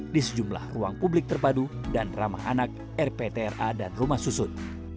di sejumlah ruang publik terpadu dan ramah anak rptra dan rumah susun